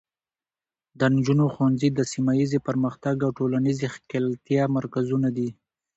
د نجونو ښوونځي د سیمه ایزې پرمختګ او ټولنیزې ښکیلتیا مرکزونه دي.